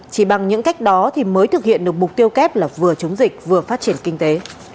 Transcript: chỉ bằng những cách đó thì mới thực hiện được mục tiêu kép là vừa chống dịch vừa phát triển kinh tế